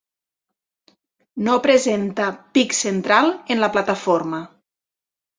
No presenta pic central en la plataforma.